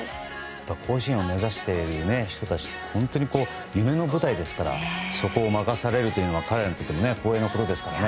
甲子園を目指している人たちは夢の舞台ですからそこを任されるというのは彼らにとっても光栄なことですから。